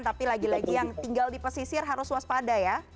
tapi lagi lagi yang tinggal di pesisir harus waspada ya